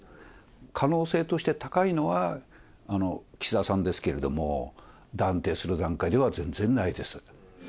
可能性として高いのは岸田さんですけれども、断定する段階では全然ないです。